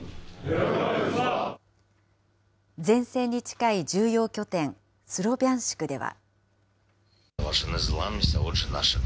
前線に近い重要拠点、スロビャンシクでは。